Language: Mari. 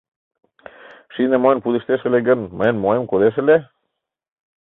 Шине мойн пудештеш ыле гын, мыйын моэм кодеш ыле?